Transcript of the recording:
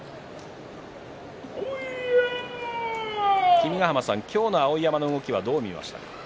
君ヶ濱さん、今日の碧山の動きどう見ましたか。